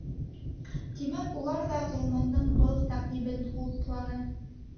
Тимәк, улар ҙа Ғилмандың был тәҡдимен хупланы.